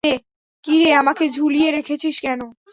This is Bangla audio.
কিরে, আমাকে ঝুলিয়ে রেখেছিস কেন?